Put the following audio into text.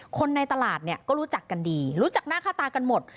คนในตลาดเนี่ยก็รู้จักกันดีรู้จักหน้าค่าตากันหมด